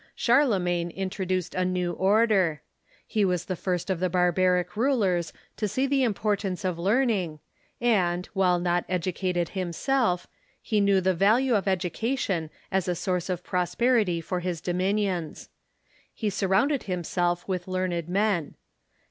Charlemagne introduced a new order. He was the first of the barbaric rulers to see the importance of learning, and, Avhile not educated himself, he knew the value of education as a source of prosperity for his dominions. He surrounded him self with learned men.